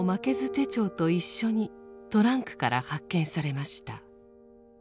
手帳と一緒にトランクから発見されました。